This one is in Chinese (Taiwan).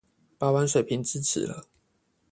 拔完水平智齒了